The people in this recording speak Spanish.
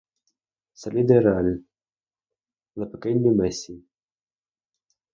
Salida real: Le Pequeño Massy.